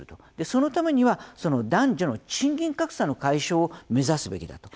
そのためには男女の賃金格差の解消を目指すべきだと。